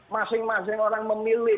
masing masing orang memilih